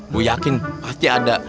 bu yakin pasti ada